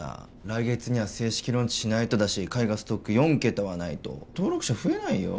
来月には正式ローンチしないとだし絵画ストック４桁はないと登録者増えないよ